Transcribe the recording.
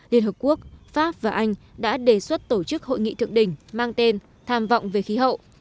liên hợp quốc pháp và anh đã đề xuất tổ chức hội nghị thượng đỉnh mang tên tham vọng về khí hậu